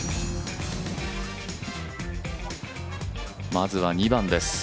まずは２番です。